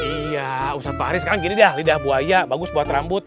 iya ustadz farid sekarang gini deh lidah buaya bagus buat rambut